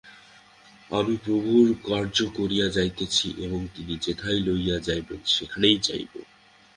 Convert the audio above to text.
আমি প্রভুর কার্য করিয়া যাইতেছি এবং তিনি যেথায় লইয়া যাইবেন সেখানেই যাইব।